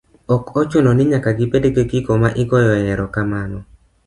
Ok ochuno ni nyaka gibed gigiko ma igoyoe erokamano